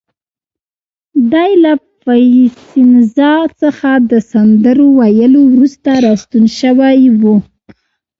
دی له پایسنزا څخه د سندرو ویلو وروسته راستون شوی و.